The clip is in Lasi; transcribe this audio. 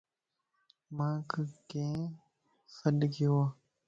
مانک ڪين سڏڪيووَ؟